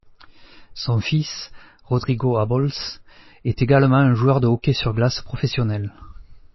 Son fils, Rodrigo Ābols, est également un joueur de hockey sur glace professionnel.